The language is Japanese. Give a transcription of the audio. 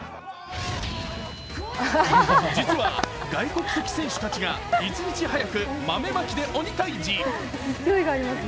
実は外国籍選手たちが１日早く豆まきで鬼退治。